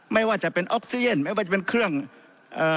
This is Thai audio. ไม่ว่าจะเป็นออกเซียนไม่ว่าจะเป็นเครื่องเอ่อ